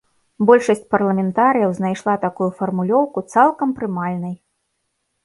Большасць парламентарыяў знайшла такую фармулёўку цалкам прымальнай.